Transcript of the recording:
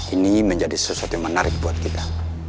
ini menjadi sesuatu yang menarik buat kita